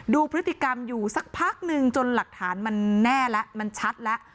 ดูพฤติกรรมอยู่สักพักนึงจนหลักฐานมันแน่แล้วมันชัดแล้ว